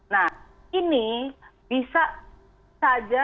nah ini bisa saja